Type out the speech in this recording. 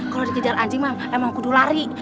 kalo dikejar anjing emang kudulari